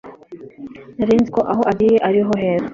narinziko aho agiye ariho heza